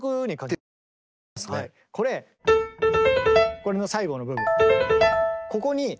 これの最後の部分。